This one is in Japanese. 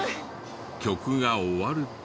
曲が終わると。